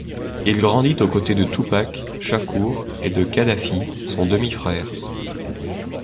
Il grandit aux côtés de Tupac Shakur et de Khadafi, son demi-frère.